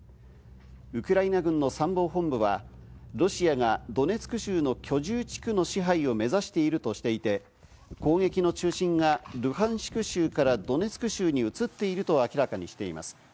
ウクライナ軍の参謀本部は、ロシアがドネツク州の居住地区の支配を目指しているとしていて、攻撃の中心がルハンシク州からドネツク州に移っていると明らかにしています。